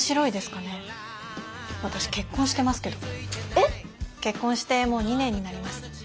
えっ！？結婚してもう２年になります。